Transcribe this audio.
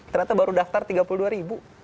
ternyata baru daftar tiga puluh dua ribu